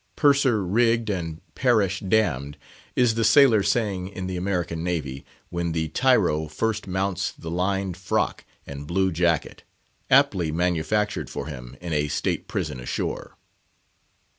"Purser rigged and parish damned," is the sailor saying in the American Navy, when the tyro first mounts the lined frock and blue jacket, aptly manufactured for him in a State Prison ashore.